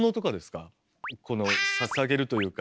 このささげるというか。